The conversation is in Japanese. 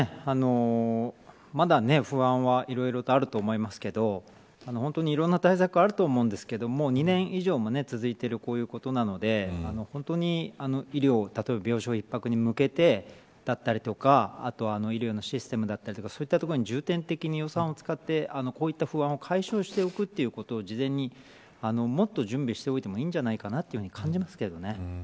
まだ不安はいろいろとあると思いますが本当に、いろいろな対策があると思うんですけど２年以上も続いていることなので本当に医療例えば病床逼迫に向けてだったりとかあとは医療のシステムとかそういうところに重点的に予算を使って、こういう不安を解消しておくということを事前にもっと準備しておいてもいいんじゃないかと感じますけどね。